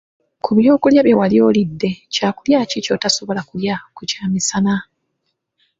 Ku byokulya bye wali olidde, kyakulya ki ky'otasobola kulya ku kyamisana?